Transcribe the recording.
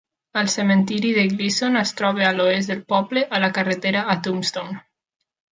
El cementiri de Gleeson es troba a l'oest del poble a la carretera a Tombstone.